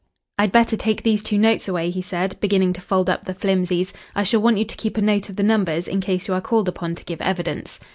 "I'd better take these two notes away," he said, beginning to fold up the flimsies. "I shall want you to keep a note of the numbers, in case you are called upon to give evidence."